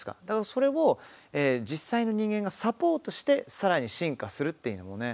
それを実際の人間がサポートしてさらに進化するっていうのもね